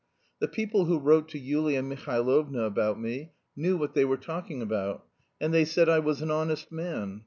The people who wrote to Yulia Mihailovna about me knew what they were talking about, and they said I was an honest man....